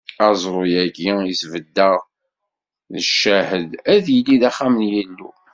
Aẓru-agi i sbeddeɣ d ccahed, ad yili d axxam n Yillu.